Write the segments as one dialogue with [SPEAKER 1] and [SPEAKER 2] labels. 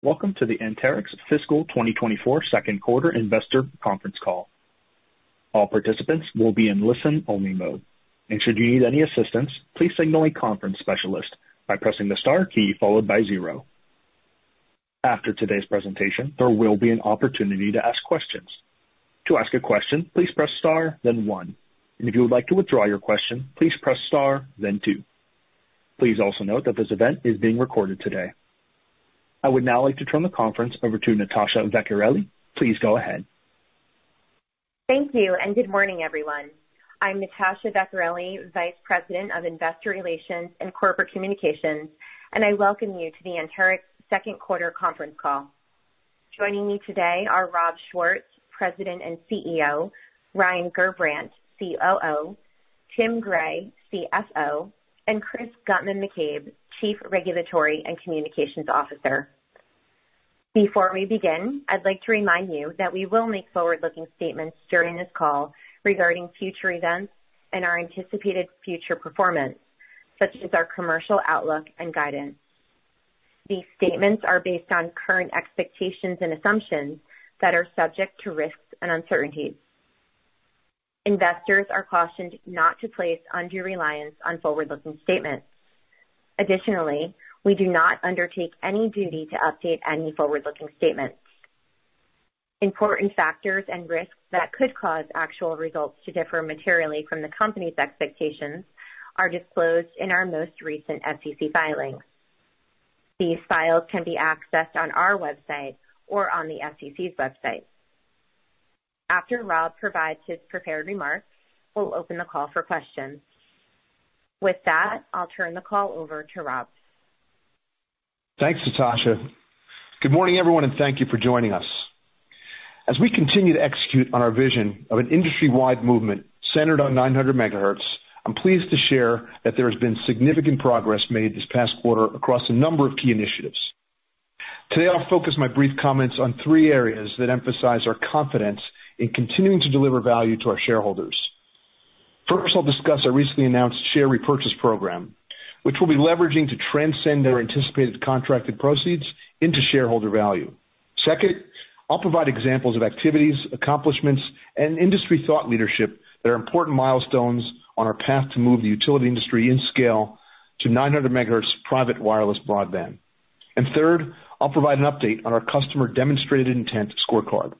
[SPEAKER 1] Welcome to the Anterix Fiscal 2024 Second Quarter Investor Conference Call. All participants will be in listen-only mode. Should you need any assistance, please signal a conference specialist by pressing the star key followed by zero. After today's presentation, there will be an opportunity to ask questions. To ask a question, please press star, then one, and if you would like to withdraw your question, please press star, then two. Please also note that this event is being recorded today. I would now like to turn the conference over to Natasha Vecchiarelli. Please go ahead.
[SPEAKER 2] Thank you, and good morning, everyone. I'm Natasha Vecchiarelli, Vice President of Investor Relations and Corporate Communications, and I welcome you to the Anterix Second Quarter Conference Call. Joining me today are Rob Schwartz, President and CEO, Ryan Gerbrandt, COO, Tim Gray, CFO, and Chris Guttman-McCabe, Chief Regulatory and Communications Officer. Before we begin, I'd like to remind you that we will make forward-looking statements during this call regarding future events and our anticipated future performance, such as our commercial outlook and guidance. These statements are based on current expectations and assumptions that are subject to risks and uncertainties. Investors are cautioned not to place undue reliance on forward-looking statements. Additionally, we do not undertake any duty to update any forward-looking statements. Important factors and risks that could cause actual results to differ materially from the company's expectations are disclosed in our most recent SEC filings. These files can be accessed on our website or on the SEC's website. After Rob provides his prepared remarks, we'll open the call for questions. With that, I'll turn the call over to Rob.
[SPEAKER 3] Thanks, Natasha. Good morning, everyone, and thank you for joining us. As we continue to execute on our vision of an industry-wide movement centered on 900 MHz, I'm pleased to share that there has been significant progress made this past quarter across a number of key initiatives. Today, I'll focus my brief comments on three areas that emphasize our confidence in continuing to deliver value to our shareholders. First, I'll discuss our recently announced share repurchase program, which we'll be leveraging to transcend our anticipated contracted proceeds into shareholder value. Second, I'll provide examples of activities, accomplishments, and industry thought leadership that are important milestones on our path to move the utility industry in scale to 900 MHz private wireless broadband. And third, I'll provide an update on our customer-demonstrated intent scorecard.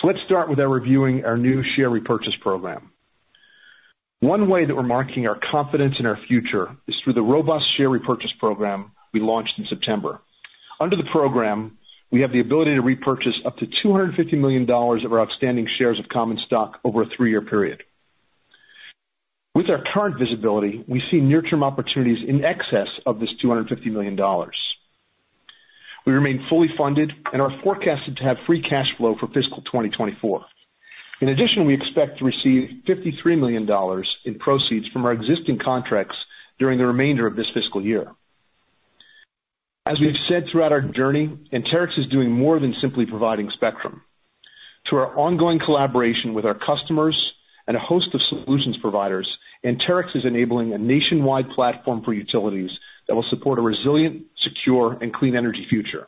[SPEAKER 3] So let's start with our reviewing our new share repurchase program. One way that we're marking our confidence in our future is through the robust share repurchase program we launched in September. Under the program, we have the ability to repurchase up to $250 million of our outstanding shares of common stock over a three-year period. With our current visibility, we see near-term opportunities in excess of this $250 million. We remain fully funded and are forecasted to have free cash flow for Fiscal 2024. In addition, we expect to receive $53 million in proceeds from our existing contracts during the remainder of this fiscal year. As we've said throughout our journey, Anterix is doing more than simply providing spectrum. Through our ongoing collaboration with our customers and a host of solutions providers, Anterix is enabling a nationwide platform for utilities that will support a resilient, secure, and clean energy future.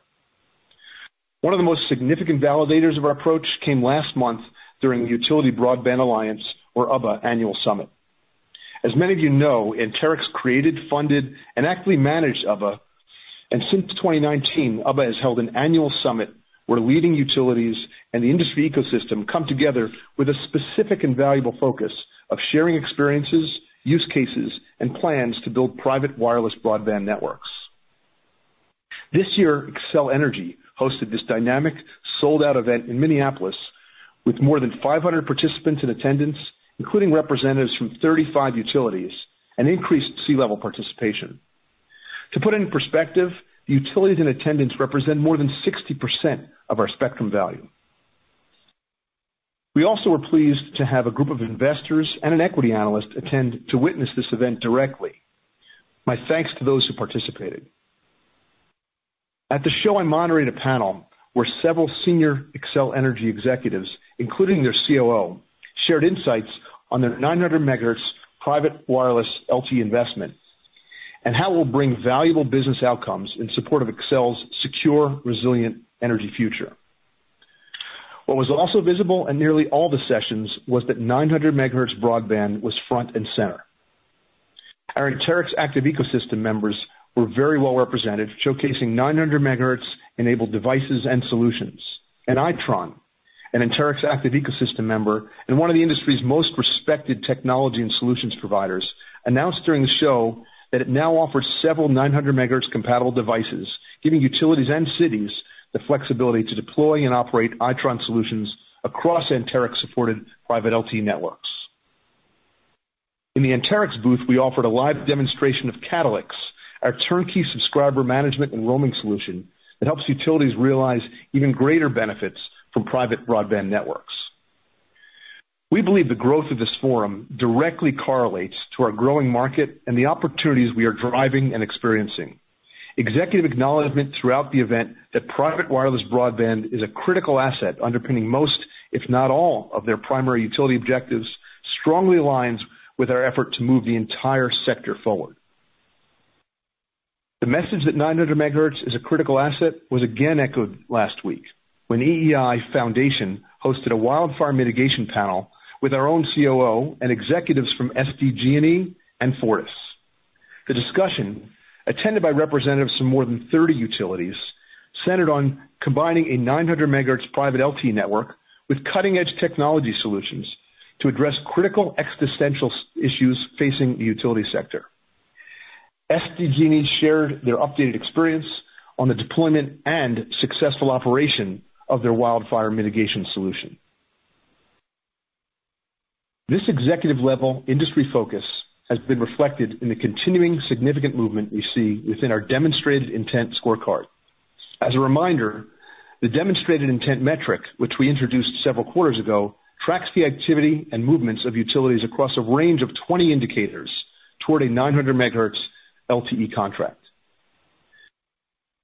[SPEAKER 3] One of the most significant validators of our approach came last month during the Utility Broadband Alliance, or UBBA, Annual Summit. As many of you know, Anterix created, funded, and actively managed UBBA, and since 2019, UBBA has held an annual summit where leading utilities and the industry ecosystem come together with a specific and valuable focus of sharing experiences, use cases, and plans to build private wireless broadband networks. This year, Xcel Energy hosted this dynamic, sold-out event in Minneapolis, with more than 500 participants in attendance, including representatives from 35 utilities and increased C-level participation. To put it in perspective, the utilities in attendance represent more than 60% of our spectrum value. We also are pleased to have a group of investors and an equity analyst attend to witness this event directly. My thanks to those who participated. At the show, I moderated a panel where several senior Xcel Energy executives, including their COO, shared insights on their 900 MHz private wireless LTE investment and how it will bring valuable business outcomes in support of Xcel's secure, resilient energy future. What was also visible in nearly all the sessions was that 900 MHz broadband was front and center. Our Anterix Active Ecosystem members were very well represented, showcasing 900 MHz-enabled devices and solutions. And Itron, an Anterix Active Ecosystem member and one of the industry's most respected technology and solutions providers, announced during the show that it now offers several 900 MHz-compatible devices, giving utilities and cities the flexibility to deploy and operate Itron solutions across Anterix-supported private LTE networks. In the Anterix booth, we offered a live demonstration of CatalyX, our turnkey subscriber management and roaming solution that helps utilities realize even greater benefits from private broadband networks. We believe the growth of this forum directly correlates to our growing market and the opportunities we are driving and experiencing. Executive acknowledgment throughout the event that private wireless broadband is a critical asset underpinning most, if not all, of their primary utility objectives, strongly aligns with our effort to move the entire sector forward. The message that 900 MHz is a critical asset was again echoed last week, when EEI Foundation hosted a wildfire mitigation panel with our own COO and executives from SDG&E and Fortis. The discussion, attended by representatives from more than 30 utilities, centered on combining a 900 MHz private LTE network with cutting-edge technology solutions to address critical existential issues facing the utility sector. SDG&E shared their updated experience on the deployment and successful operation of their wildfire mitigation solution. This executive-level industry focus has been reflected in the continuing significant movement we see within our demonstrated intent scorecard. As a reminder, the demonstrated intent metric, which we introduced several quarters ago, tracks the activity and movements of utilities across a range of 20 indicators toward a 900 MHz LTE contract.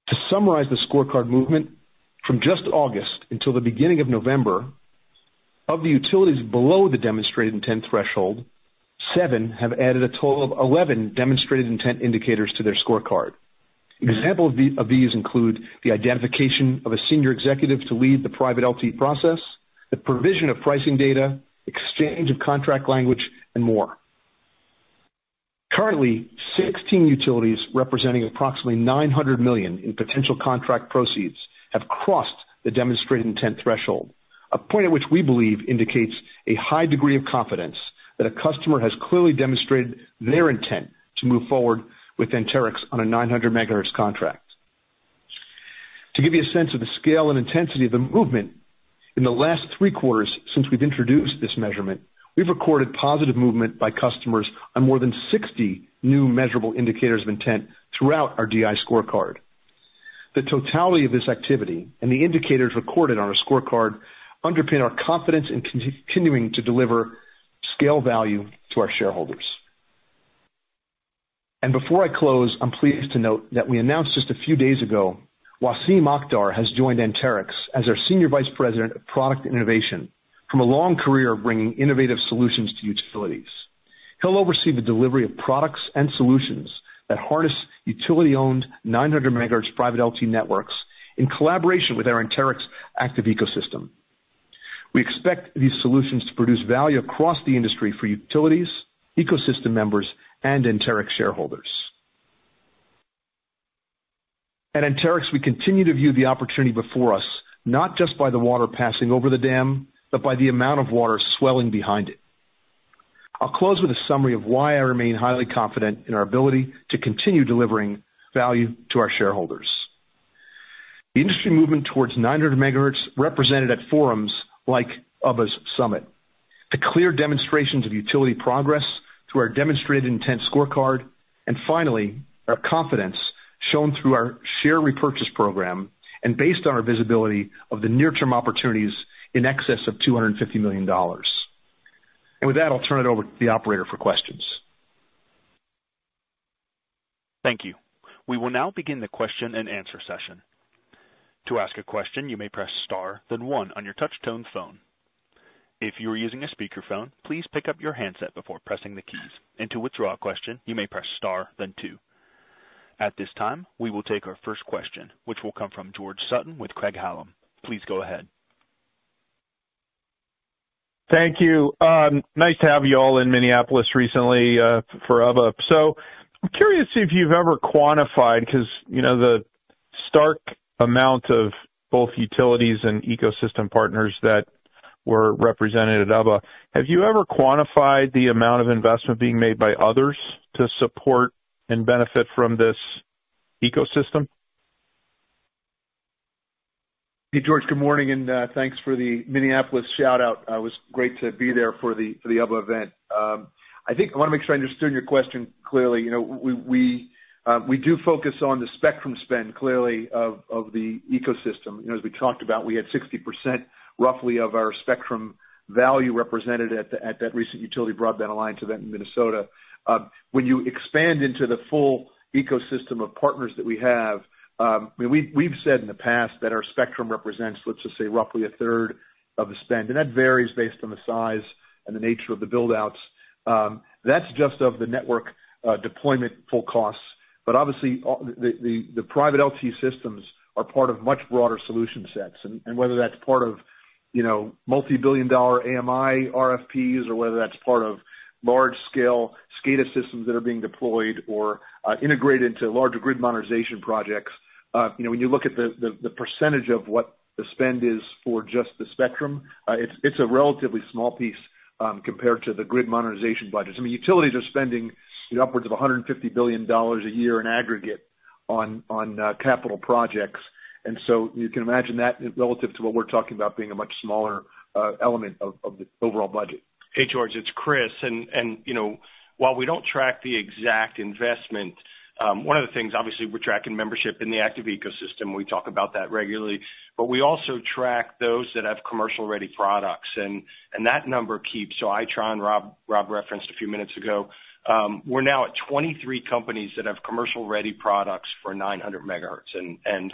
[SPEAKER 3] To summarize the scorecard movement, from just August until the beginning of November, of the utilities below the demonstrated intent threshold, seven have added a total of 11 demonstrated intent indicators to their scorecard. Examples of these include the identification of a senior executive to lead the private LTE process, the provision of pricing data, exchange of contract language, and more. Currently, 16 utilities, representing approximately $900 million in potential contract proceeds, have crossed the demonstrated intent threshold, a point at which we believe indicates a high degree of confidence that a customer has clearly demonstrated their intent to move forward with Anterix on a 900 MHz contract. To give you a sense of the scale and intensity of the movement, in the last three quarters since we've introduced this measurement, we've recorded positive movement by customers on more than 60 new measurable indicators of intent throughout our DI scorecard. The totality of this activity and the indicators recorded on our scorecard underpin our confidence in continuing to deliver scale value to our shareholders. Before I close, I'm pleased to note that we announced just a few days ago, Waseem Akhtar has joined Anterix as our Senior Vice President of Product Innovation, from a long career of bringing innovative solutions to utilities. He'll oversee the delivery of products and solutions that harness utility-owned 900 MHz private LTE networks in collaboration with our Anterix Active Ecosystem. We expect these solutions to produce value across the industry for utilities, ecosystem members, and Anterix shareholders. At Anterix, we continue to view the opportunity before us, not just by the water passing over the dam, but by the amount of water swelling behind it. I'll close with a summary of why I remain highly confident in our ability to continue delivering value to our shareholders. The industry movement towards 900 MHz, represented at forums like UBBA's summit, the clear demonstrations of utility progress through our demonstrated intent scorecard, and finally, our confidence shown through our share repurchase program, and based on our visibility of the near-term opportunities in excess of $250 million. And with that, I'll turn it over to the operator for questions.
[SPEAKER 1] Thank you. We will now begin the question-and-answer session. To ask a question, you may press star, then one on your touchtone phone. If you are using a speakerphone, please pick up your handset before pressing the keys. To withdraw a question, you may press star then two. At this time, we will take our first question, which will come from George Sutton with Craig-Hallum. Please go ahead.
[SPEAKER 4] Thank you. Nice to have you all in Minneapolis recently for UBBA. I'm curious if you've ever quantified, because, you know, the stark amount of both utilities and ecosystem partners that were represented at UBBA. Have you ever quantified the amount of investment being made by others to support and benefit from this ecosystem?
[SPEAKER 3] Hey, George, good morning, and thanks for the Minneapolis shout-out. It was great to be there for the UBBA event. I think I wanna make sure I understood your question clearly. You know, we do focus on the spectrum spend, clearly, of the ecosystem. You know, as we talked about, we had 60%, roughly, of our spectrum value represented at that recent Utility Broadband Alliance event in Minnesota. When you expand into the full ecosystem of partners that we have, I mean, we've said in the past that our spectrum represents, let's just say, roughly a third of the spend, and that varies based on the size and the nature of the build-outs. That's just of the network deployment full costs. But obviously, the private LTE systems are part of much broader solution sets. Whether that's part of, you know, multi-billion dollar AMI RFPs, or whether that's part of large-scale SCADA systems that are being deployed or integrated into larger grid modernization projects, you know, when you look at the percentage of what the spend is for just the spectrum, it's a relatively small piece, compared to the grid modernization budgets. I mean, utilities are spending upwards of $150 billion a year in aggregate on capital projects, and so you can imagine that relative to what we're talking about, being a much smaller element of the overall budget.
[SPEAKER 5] Hey, George, it's Chris. You know, while we don't track the exact investment, one of the things, obviously, we're tracking membership in the active ecosystem, we talk about that regularly, but we also track those that have commercial-ready products, and that number keeps. So Itron, Rob referenced a few minutes ago. We're now at 23 companies that have commercial-ready products for 900 MHz.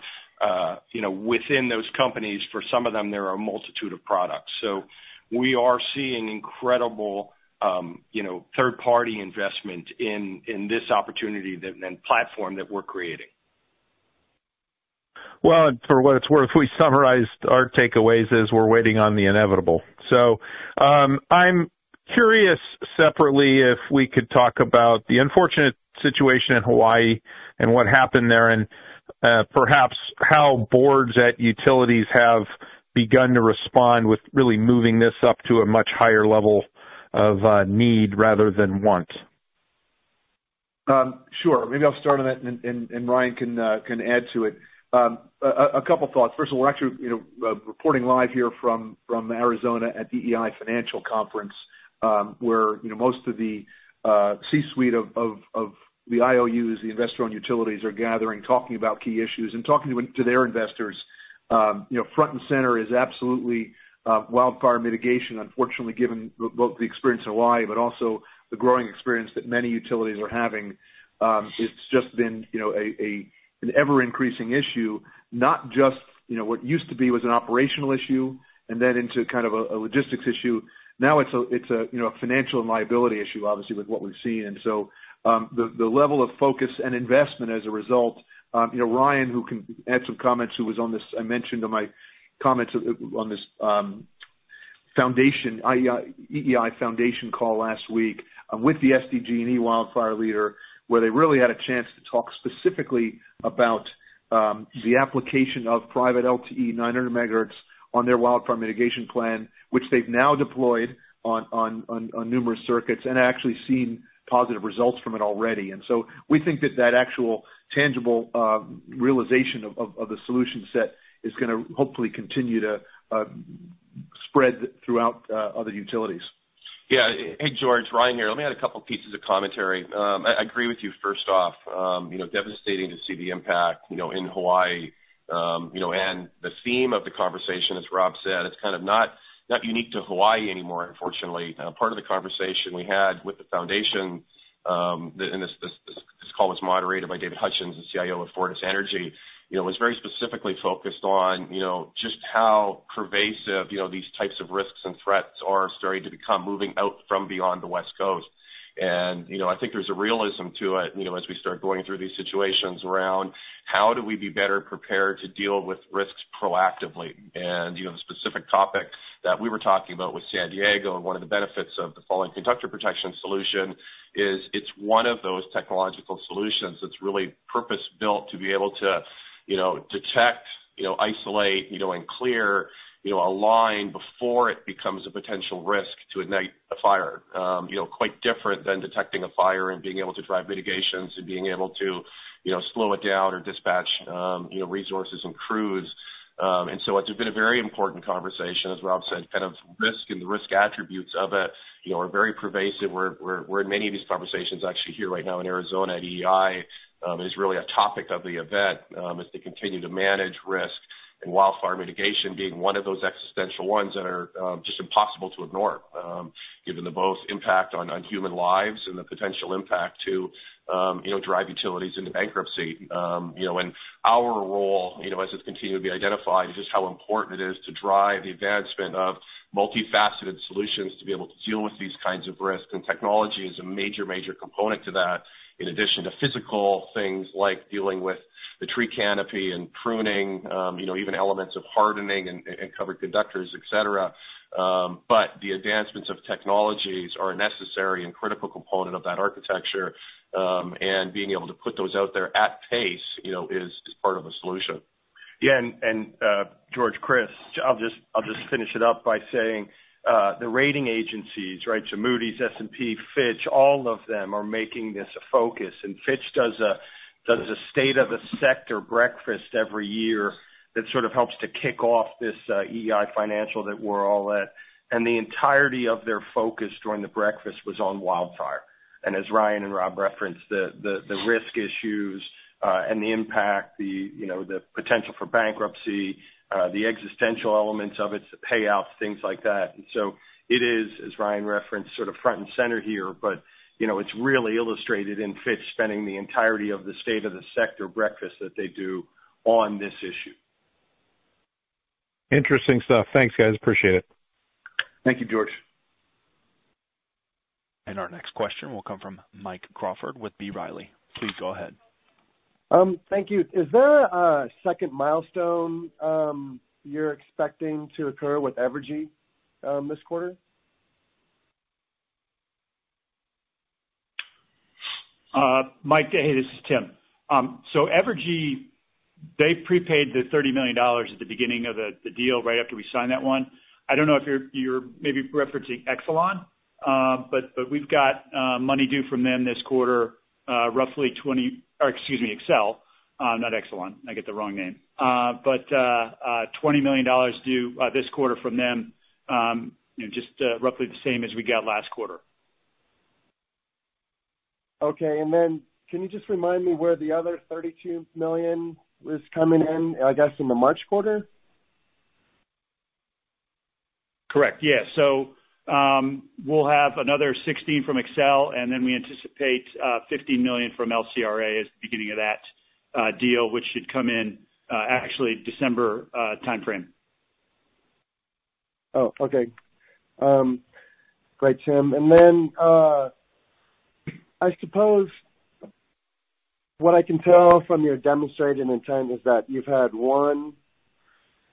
[SPEAKER 5] You know, within those companies, for some of them, there are a multitude of products. So we are seeing incredible, you know, third-party investment in this opportunity that... and platform that we're creating....
[SPEAKER 4] Well, for what it's worth, we summarized our takeaways as we're waiting on the inevitable. So, I'm curious, separately, if we could talk about the unfortunate situation in Hawaii and what happened there, and perhaps how boards at utilities have begun to respond with really moving this up to a much higher level of need rather than want.
[SPEAKER 3] Sure. Maybe I'll start on that and Ryan can add to it. A couple thoughts. First of all, we're actually, you know, reporting live here from Arizona at the EEI Financial Conference, where, you know, most of the C-suite of the IOUs, the investor-owned utilities, are gathering, talking about key issues and talking to their investors. You know, front and center is absolutely wildfire mitigation, unfortunately, given both the experience in Hawaii, but also the growing experience that many utilities are having. It's just been, you know, an ever-increasing issue, not just, you know, what used to be was an operational issue and then into kind of a logistics issue. Now it's, you know, a financial and liability issue, obviously, with what we've seen. The level of focus and investment as a result, you know, Ryan, who can add some comments, who was on this, I mentioned in my comments on this, foundation, EEI Foundation call last week with the SDG&E wildfire leader, where they really had a chance to talk specifically about the application of private LTE 900 MHz on their wildfire mitigation plan, which they've now deployed on numerous circuits and actually seen positive results from it already. And so we think that that actual tangible realization of the solution set is gonna hopefully continue to spread throughout other utilities.
[SPEAKER 6] Yeah. Hey, George, Ryan here. Let me add a couple pieces of commentary. I agree with you, first off, you know, devastating to see the impact, you know, in Hawaii. You know, and the theme of the conversation, as Rob said, it's kind of not unique to Hawaii anymore, unfortunately. Part of the conversation we had with the foundation, this call was moderated by David Hutchens, the CIO of Fortis Energy, you know, was very specifically focused on, you know, just how pervasive, you know, these types of risks and threats are starting to become, moving out from beyond the West Coast. And, you know, I think there's a realism to it, you know, as we start going through these situations, around how do we be better prepared to deal with risks proactively? You know, the specific topic that we were talking about with San Diego, and one of the benefits of the falling conductor protection solution is it's one of those technological solutions that's really purpose-built to be able to, you know, detect, you know, isolate, you know, and clear, you know, a line before it becomes a potential risk to ignite a fire. You know, quite different than detecting a fire and being able to drive mitigations and being able to, you know, slow it down or dispatch, you know, resources and crews. And so it's been a very important conversation, as Rob said, kind of risk and the risk attributes of it, you know, are very pervasive. We're in many of these conversations actually here right now in Arizona at EEI. It is really a topic of the event, as they continue to manage risk and wildfire mitigation being one of those existential ones that are just impossible to ignore, given the both impact on human lives and the potential impact to you know drive utilities into bankruptcy. You know, and our role, you know, as it's continued to be identified, just how important it is to drive the advancement of multifaceted solutions to be able to deal with these kinds of risks, and technology is a major, major component to that, in addition to physical things like dealing with the tree canopy and pruning, you know, even elements of hardening and covered conductors, et cetera. But the advancements of technologies are a necessary and critical component of that architecture, and being able to put those out there at pace, you know, is part of a solution.
[SPEAKER 3] Yeah, and George, Chris, I'll just finish it up by saying the rating agencies, right? So Moody's, S&P, Fitch, all of them are making this a focus. Fitch does a state of the sector breakfast every year that sort of helps to kick off this EEI financial that we're all at, and the entirety of their focus during the breakfast was on wildfire. As Ryan and Rob referenced, the risk issues and the impact, you know, the potential for bankruptcy, the existential elements of it, the payouts, things like that. So it is, as Ryan referenced, sort of front and center here, but you know, it's really illustrated in Fitch spending the entirety of the state of the sector breakfast that they do on this issue.
[SPEAKER 4] Interesting stuff. Thanks, guys. Appreciate it.
[SPEAKER 3] Thank you, George.
[SPEAKER 1] Our next question will come from Mike Crawford with B. Riley. Please go ahead.
[SPEAKER 7] Thank you. Is there a second milestone you're expecting to occur with Evergy this quarter?
[SPEAKER 3] Mike, hey, this is Tim. So Evergy, they prepaid the $30 million at the beginning of the deal, right after we signed that one. I don't know if you're maybe referencing Exelon, but we've got money due from them this quarter, roughly twenty... Or excuse me, Xcel, not Exelon. I got the wrong name. But twenty million dollars due this quarter from them, you know, just roughly the same as we got last quarter.
[SPEAKER 7] Okay, and then can you just remind me where the other $32 million is coming in, I guess, in the March quarter?
[SPEAKER 8] Correct. Yeah. So, we'll have another 16 from Xcel, and then we anticipate $50 million from LCRA as the beginning of that deal, which should come in actually December timeframe....
[SPEAKER 7] Oh, okay. Great, Tim. And then, I suppose what I can tell from your Demonstrated Intent is that you've had one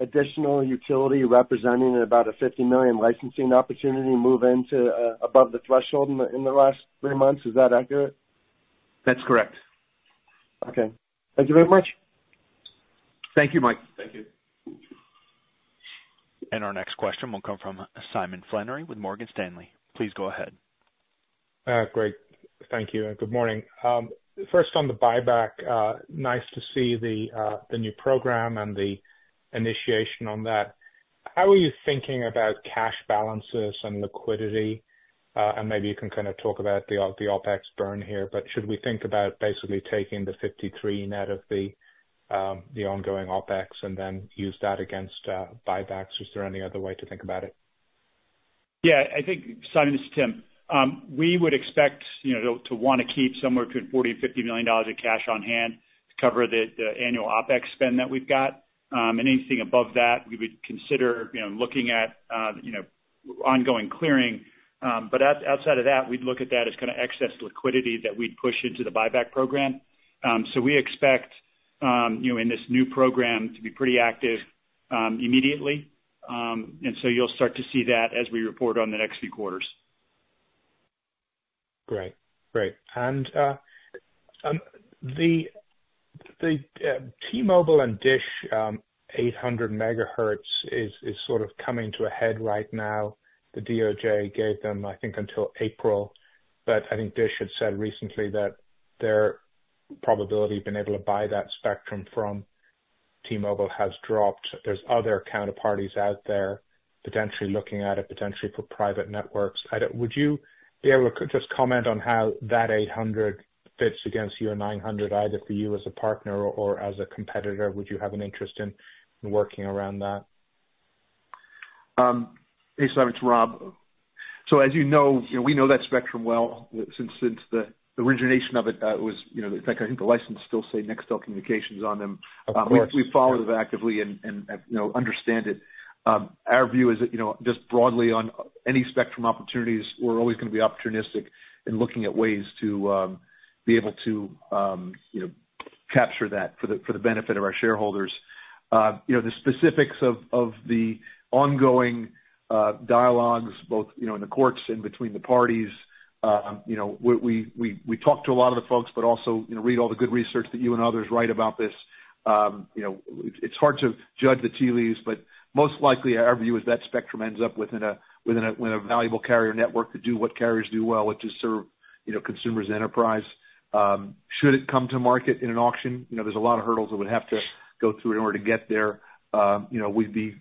[SPEAKER 7] additional utility representing about a $50 million licensing opportunity move into above the threshold, in the last three months. Is that accurate?
[SPEAKER 8] That's correct.
[SPEAKER 7] Okay. Thank you very much.
[SPEAKER 3] Thank you, Mike. Thank you.
[SPEAKER 1] Our next question will come from Simon Flannery with Morgan Stanley. Please go ahead.
[SPEAKER 9] Great. Thank you, and good morning. First on the buyback, nice to see the new program and the initiation on that. How are you thinking about cash balances and liquidity? And maybe you can kind of talk about the OpEx burn here, but should we think about basically taking the $53 net of the ongoing OpEx and then use that against buybacks? Is there any other way to think about it?
[SPEAKER 3] Yeah, I think, Simon, this is Tim. We would expect, you know, to wanna keep somewhere between $40 million and $50 million of cash on hand to cover the annual OPEX spend that we've got. And anything above that, we would consider, you know, looking at ongoing clearing. But outside of that, we'd look at that as kind of excess liquidity that we'd push into the buyback program. So we expect, you know, in this new program to be pretty active immediately. And so you'll start to see that as we report on the next few quarters.
[SPEAKER 9] Great. Great. And, the T-Mobile and Dish, 800 megahertz is sort of coming to a head right now. The DOJ gave them, I think, until April, but I think Dish had said recently that their probability of being able to buy that spectrum from T-Mobile has dropped. There's other counterparties out there potentially looking at it, potentially for private networks. Would you be able to just comment on how that 800 fits against your 900, either for you as a partner or as a competitor? Would you have an interest in working around that?
[SPEAKER 3] Hey, Simon, it's Rob. So as you know, you know, we know that spectrum well since the origination of it was, you know... In fact, I think the license still say Nextel Communications on them.
[SPEAKER 9] Of course.
[SPEAKER 3] We follow them actively and you know, understand it. Our view is that you know, just broadly on any spectrum opportunities, we're always gonna be opportunistic in looking at ways to be able to you know, capture that for the benefit of our shareholders. You know, the specifics of the ongoing dialogues, both you know, in the courts and between the parties, you know, we talk to a lot of the folks, but also you know, read all the good research that you and others write about this. You know, it's hard to judge the tea leaves, but most likely, our view is that spectrum ends up within a valuable carrier network to do what carriers do well, which is serve you know, consumers enterprise. Should it come to market in an auction, you know, there's a lot of hurdles that would have to go through in order to get there. You know, we'd be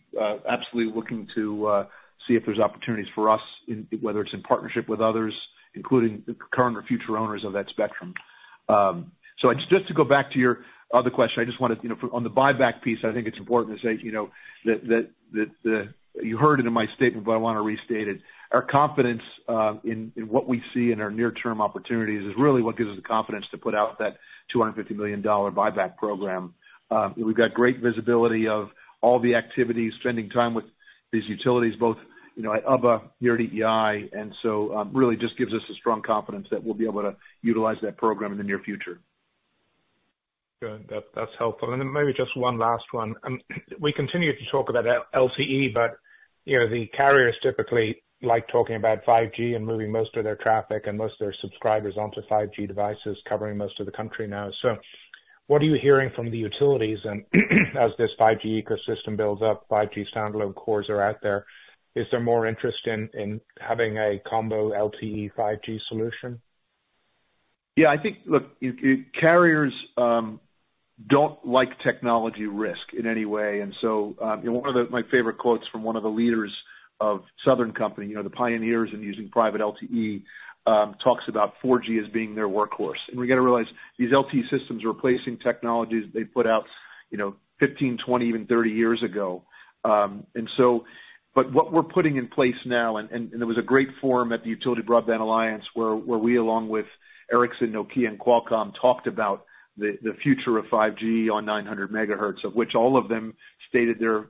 [SPEAKER 3] absolutely looking to see if there's opportunities for us, in whether it's in partnership with others, including the current or future owners of that spectrum. So just to go back to your other question, I just wanted to, you know, on the buyback piece, I think it's important to say, you know, that the— You heard it in my statement, but I wanna restate it. Our confidence in what we see in our near-term opportunities is really what gives us the confidence to put out that $250 million buyback program. We've got great visibility of all the activities, spending time with these utilities, both, you know, at UBBA, and EEI, and so, really just gives us a strong confidence that we'll be able to utilize that program in the near future.
[SPEAKER 9] Good. That, that's helpful. And then maybe just one last one. We continue to talk about LTE, but, you know, the carriers typically like talking about 5G and moving most of their traffic and most of their subscribers onto 5G devices, covering most of the country now. So what are you hearing from the utilities? And as this 5G ecosystem builds up, 5G standalone cores are out there, is there more interest in having a combo LTE 5G solution?
[SPEAKER 3] Yeah, I think, look, carriers don't like technology risk in any way. And so, you know, one of my favorite quotes from one of the leaders of Southern Company, you know, the pioneers in using private LTE, talks about 4G as being their workhorse. And we gotta realize, these LTE systems are replacing technologies they put out, you know, 15, 20, even 30 years ago. But what we're putting in place now, and there was a great forum at the Utility Broadband Alliance where we, along with Ericsson, Nokia, and Qualcomm, talked about the future of 5G on 900 MHz, of which all of them stated their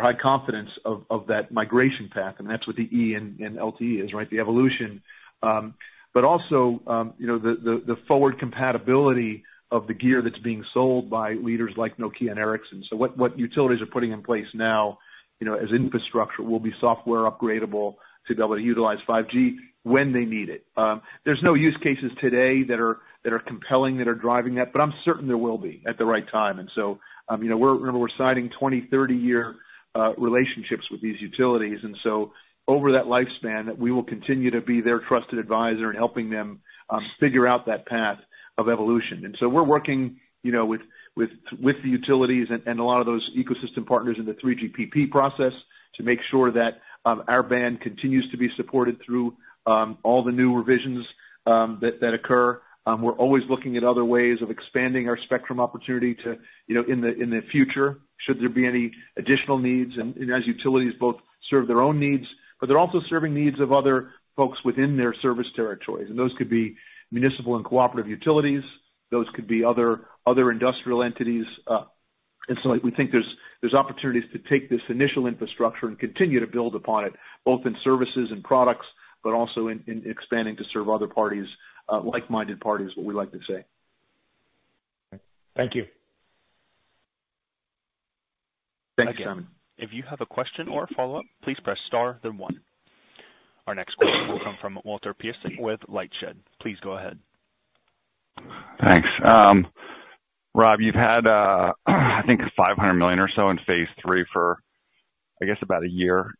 [SPEAKER 3] high confidence of that migration path, and that's what the E in LTE is, right? The evolution. But also, you know, the forward compatibility of the gear that's being sold by leaders like Nokia and Ericsson. So what utilities are putting in place now, you know, as infrastructure, will be software upgradable to be able to utilize 5G when they need it. There's no use cases today that are compelling that are driving that, but I'm certain there will be at the right time. And so, you know, we're signing 20-30-year relationships with these utilities, and so over that lifespan, we will continue to be their trusted advisor in helping them figure out that path of evolution. And so we're working, you know, with the utilities and a lot of those ecosystem partners in the 3GPP process to make sure that our band continues to be supported through all the new revisions that occur. We're always looking at other ways of expanding our spectrum opportunity to, you know, in the future, should there be any additional needs. As utilities both serve their own needs, but they're also serving needs of other folks within their service territories, and those could be municipal and cooperative utilities... those could be other industrial entities. So, like, we think there's opportunities to take this initial infrastructure and continue to build upon it, both in services and products, but also in expanding to serve other parties, like-minded parties, what we like to say.
[SPEAKER 9] Thank you.
[SPEAKER 3] Thanks, Simon.
[SPEAKER 1] If you have a question or a follow-up, please press star then one. Our next call will come from Walter Piecyk with LightShed. Please go ahead.
[SPEAKER 10] Thanks. Rob, you've had, I think $500 million or so in phase three for, I guess, about a year.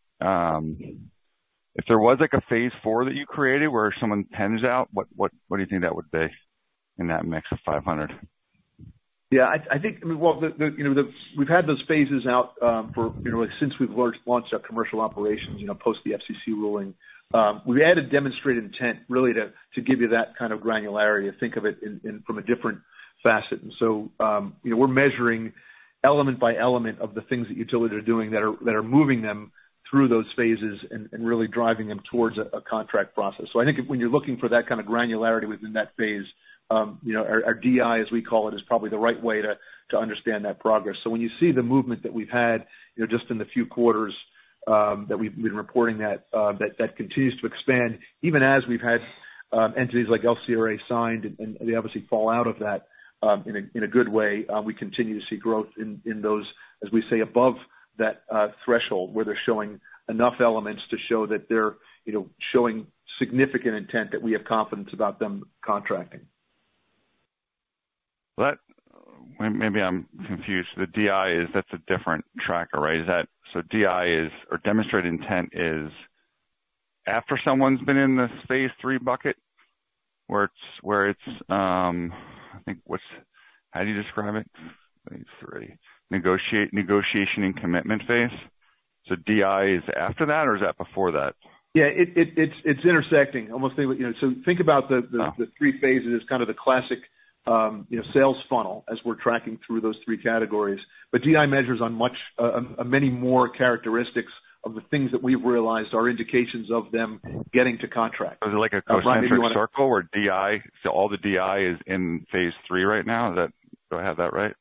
[SPEAKER 10] If there was, like, a phase four that you created where someone pens out, what, what, what do you think that would be in that mix of $500 million?
[SPEAKER 3] Yeah, I think, I mean, well, you know, we've had those phases out for you know since we've launched our commercial operations, you know, post the FCC ruling. We added demonstrated intent really to give you that kind of granularity and think of it in from a different facet. And so, you know, we're measuring element by element of the things that utilities are doing that are moving them through those phases and really driving them towards a contract process. So I think when you're looking for that kind of granularity within that phase, you know, our DI, as we call it, is probably the right way to understand that progress. So when you see the movement that we've had, you know, just in the few quarters that we've been reporting, that continues to expand, even as we've had entities like LCRA signed, and they obviously fall out of that in a good way. We continue to see growth in those, as we say, above that threshold, where they're showing enough elements to show that they're, you know, showing significant intent that we have confidence about them contracting.
[SPEAKER 10] But maybe I'm confused. The DI is... That's a different tracker, right? Is that, so DI is, or demonstrated intent, is after someone's been in this phase three bucket, where it's, I think what's how do you describe it? Phase three, negotiation and commitment phase. So DI is after that, or is that before that?
[SPEAKER 3] Yeah, it's intersecting. I almost say, you know, so think about the-
[SPEAKER 10] Ah.
[SPEAKER 3] The three phases as kind of the classic, you know, sales funnel as we're tracking through those three categories. But DI measures on many more characteristics of the things that we've realized are indications of them getting to contract.
[SPEAKER 10] Is it like a concentric circle-
[SPEAKER 3] Ryan, do you wanna-
[SPEAKER 10] Where DI, so all the DI is in phase three right now? Is that, do I have that right?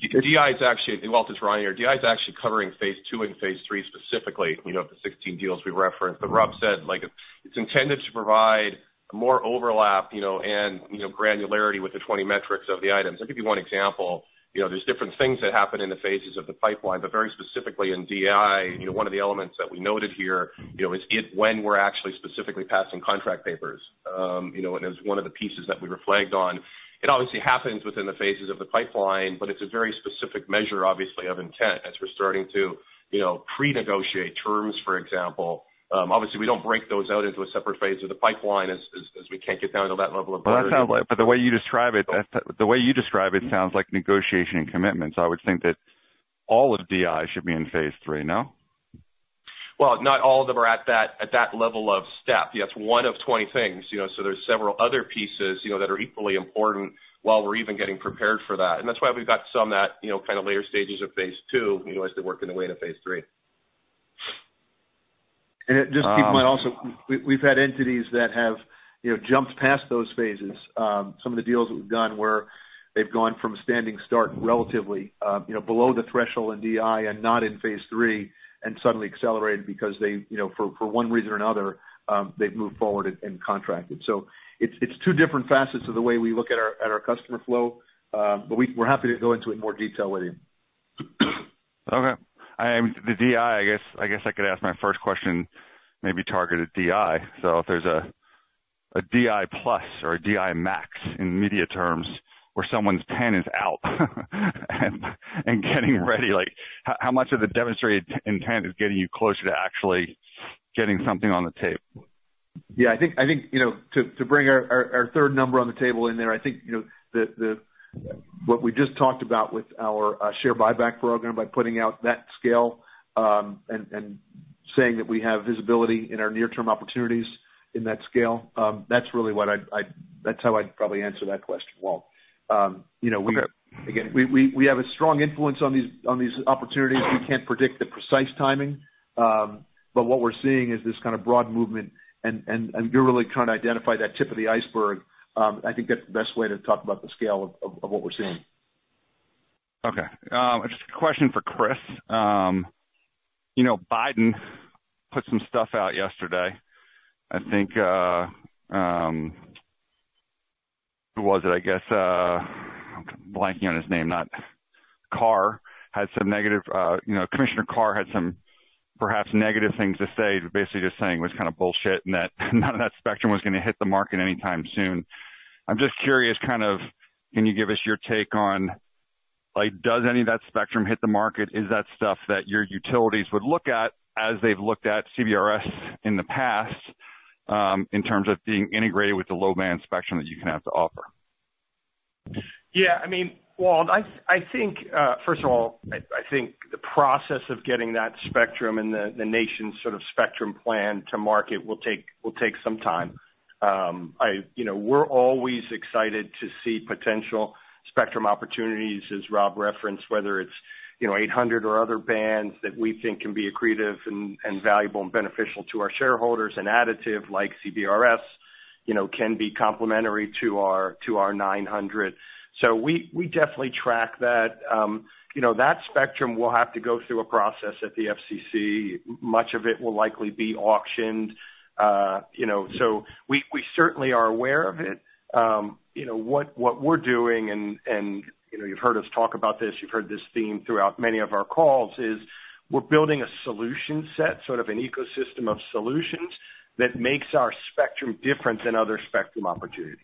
[SPEAKER 6] DI is actually, Walter, it's Ryan here. DI is actually covering phase two and phase three, specifically, you know, the 16 deals we referenced. But Rob said, like, it's intended to provide more overlap, you know, and, you know, granularity with the 20 metrics of the items. I'll give you one example. You know, there's different things that happen in the phases of the pipeline, but very specifically in DI, you know, one of the elements that we noted here, you know, is it when we're actually specifically passing contract papers. You know, and it was one of the pieces that we were flagged on. It obviously happens within the phases of the pipeline, but it's a very specific measure, obviously, of intent, as we're starting to, you know, pre-negotiate terms, for example. Obviously, we don't break those out into a separate phase of the pipeline as we can't get down to that level of granularity.
[SPEAKER 10] Well, that sounds like... But the way you describe it, that, the way you describe it sounds like negotiation and commitment. So I would think that all of DI should be in phase three, no?
[SPEAKER 6] Well, not all of them are at that level of step. That's one of 20 things, you know, so there's several other pieces, you know, that are equally important while we're even getting prepared for that. And that's why we've got some at, you know, kind of later stages of phase two, you know, as they work their way into phase three.
[SPEAKER 3] Just keep in mind also, we've had entities that have, you know, jumped past those phases. Some of the deals we've done where they've gone from a standing start, relatively, you know, below the threshold in DI and not in phase three, and suddenly accelerated because they, you know, for one reason or another, they've moved forward and contracted. So it's two different facets to the way we look at our customer flow, but we're happy to go into it in more detail with you.
[SPEAKER 10] Okay. The DI, I guess, I guess I could ask my first question, maybe target at DI. So if there's a DI plus or a DI max in media terms, where someone's pen is out and getting ready, like, how much of the demonstrated intent is getting you closer to actually getting something on the table?
[SPEAKER 3] Yeah, I think, you know, to bring our third number on the table in there, I think, you know, the what we just talked about with our share buyback program, by putting out that scale, and saying that we have visibility in our near-term opportunities in that scale, that's really what I'd... That's how I'd probably answer that question, Walt. You know, we-
[SPEAKER 10] Okay.
[SPEAKER 3] Again, we have a strong influence on these opportunities. We can't predict the precise timing, but what we're seeing is this kind of broad movement and you're really trying to identify that tip of the iceberg. I think that's the best way to talk about the scale of what we're seeing.
[SPEAKER 10] Okay. Just a question for Chris. You know, Biden put some stuff out yesterday, I think, who was it? I guess, I'm blanking on his name, not, Carr, had some negative, you know, Commissioner Carr had some perhaps negative things to say, but basically just saying it was kind of bullshit and that none of that spectrum was gonna hit the market anytime soon. I'm just curious, kind of, can you give us your take on, like, does any of that spectrum hit the market? Is that stuff that your utilities would look at, as they've looked at CBRS in the past, in terms of being integrated with the low-band spectrum that you can have to offer?
[SPEAKER 5] Yeah, I mean, Walt, I think, first of all, I think the process of getting that spectrum and the nation's sort of spectrum plan to market will take some time. I... You know, we're always excited to see potential spectrum opportunities, as Rob referenced, whether it's, you know, 800 or other bands that we think can be accretive and valuable and beneficial to our shareholders, and additive, like CBRS.... you know, can be complementary to our, to our 900. So we definitely track that. You know, that spectrum will have to go through a process at the FCC. Much of it will likely be auctioned. You know, so we certainly are aware of it. You know, what we're doing and, you know, you've heard us talk about this, you've heard this theme throughout many of our calls, is we're building a solution set, sort of an ecosystem of solutions, that makes our spectrum different than other spectrum opportunities.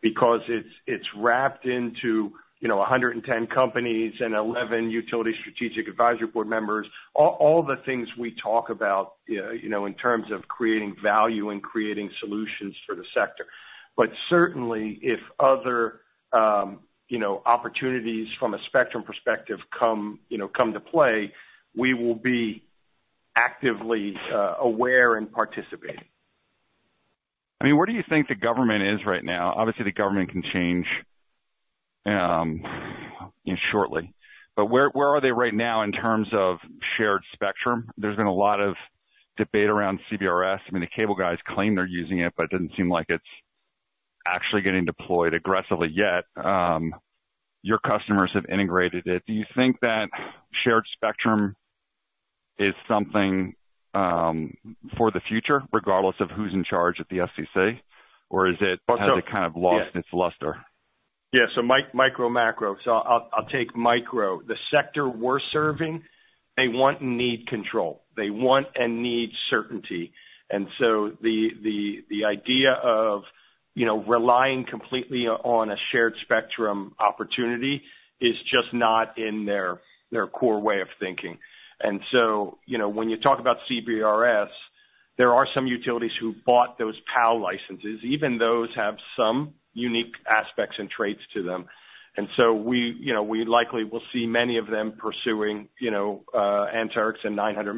[SPEAKER 5] Because it's wrapped into, you know, 110 companies and 11 utility strategic advisory board members. All the things we talk about, you know, in terms of creating value and creating solutions for the sector. But certainly, if other, you know, opportunities from a spectrum perspective come, you know, come to play, we will be actively aware and participating.
[SPEAKER 10] I mean, where do you think the government is right now? Obviously, the government can change, you know, shortly, but where, where are they right now in terms of shared spectrum? There's been a lot of debate around CBRS. I mean, the cable guys claim they're using it, but it doesn't seem like it's actually getting deployed aggressively yet. Your customers have integrated it. Do you think that shared spectrum is something, for the future, regardless of who's in charge at the FCC? Or has it kind of lost its luster?
[SPEAKER 5] Yeah, so micro, macro. So I'll take micro. The sector we're serving, they want and need control. They want and need certainty. And so the idea of, you know, relying completely on a shared spectrum opportunity is just not in their core way of thinking. And so, you know, when you talk about CBRS, there are some utilities who bought those PAL licenses. Even those have some unique aspects and traits to them. And so we, you know, we likely will see many of them pursuing, you know, Anterix and 900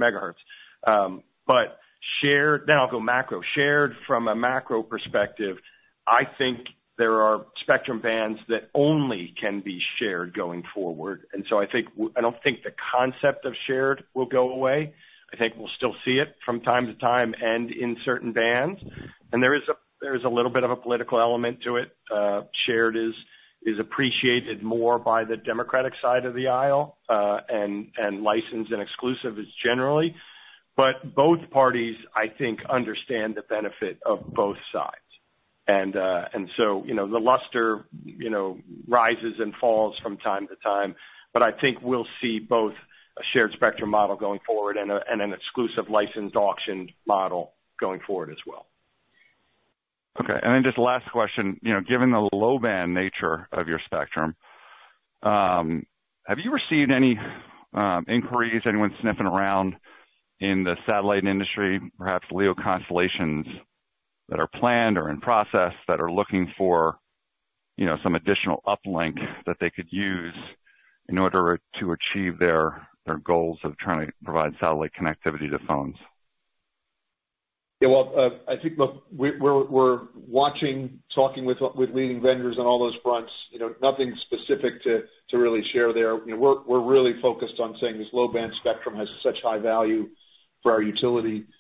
[SPEAKER 5] MHz. But shared... Then I'll go macro. Shared from a macro perspective, I think there are spectrum bands that only can be shared going forward. And so I think, I don't think the concept of shared will go away. I think we'll still see it from time to time and in certain bands. And there is a little bit of a political element to it. Shared is appreciated more by the Democratic side of the aisle, and licensed and exclusive is generally. But both parties, I think, understand the benefit of both sides. And so, you know, the luster, you know, rises and falls from time to time, but I think we'll see both a shared spectrum model going forward and an exclusive licensed auctioned model going forward as well.
[SPEAKER 10] Okay, and then just last question. You know, given the low-band nature of your spectrum, have you received any inquiries, anyone sniffing around in the satellite industry, perhaps LEO constellations that are planned or in process, that are looking for, you know, some additional uplink that they could use in order to achieve their, their goals of trying to provide satellite connectivity to phones?
[SPEAKER 5] Yeah, well, I think, look, we're watching, talking with leading vendors on all those fronts, you know, nothing specific to really share there. You know, we're really focused on saying this low-band spectrum has such high value for our utility partners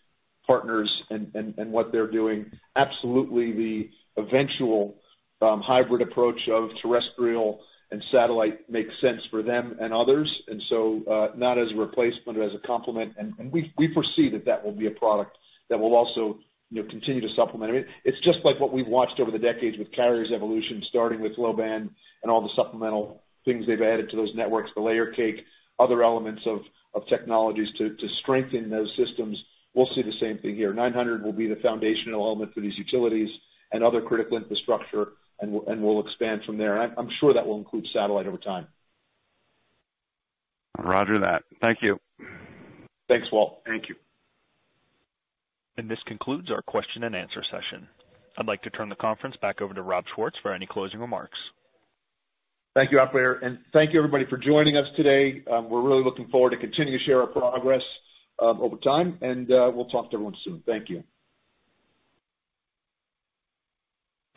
[SPEAKER 5] and what they're doing. Absolutely, the eventual hybrid approach of terrestrial and satellite makes sense for them and others, and so not as a replacement, as a complement. And we foresee that will be a product that will also, you know, continue to supplement. I mean, it's just like what we've watched over the decades with carriers' evolution, starting with low-band and all the supplemental things they've added to those networks, the layer cake, other elements of technologies to strengthen those systems. We'll see the same thing here. 900 will be the foundational element for these utilities and other critical infrastructure, and we'll expand from there. And I'm sure that will include satellite over time.
[SPEAKER 10] Roger that. Thank you.
[SPEAKER 5] Thanks, Walt.
[SPEAKER 1] Thank you. This concludes our question and answer session. I'd like to turn the conference back over to Rob Schwartz for any closing remarks.
[SPEAKER 3] Thank you, operator, and thank you, everybody, for joining us today. We're really looking forward to continue to share our progress, over time, and we'll talk to everyone soon. Thank you.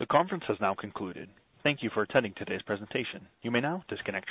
[SPEAKER 1] The conference has now concluded. Thank you for attending today's presentation. You may now disconnect your lines.